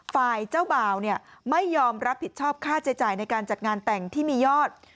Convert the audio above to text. ฝ่ายเจ้าบ่าวไม่ยอมรับผิดชอบค่าใช้จ่ายในการจัดงานแต่งที่มียอด